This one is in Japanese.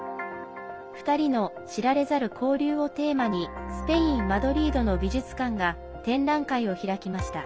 ２人の知られざる交流をテーマにスペイン・マドリードの美術館が展覧会を開きました。